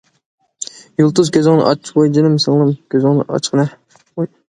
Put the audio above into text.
يۇلتۇز كۆزۈڭنى ئاچ. ۋاي جېنىم سىڭلىم، كۆزۈڭنى ئاچقىنە!